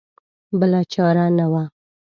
بله چاره نه وه.